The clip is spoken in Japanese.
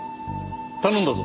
頼んだぞ。